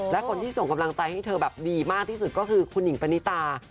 และคนที่ส่งกำลังใจให้เธอแบบดีมากที่สุดก็คือคุณหิงปณิตา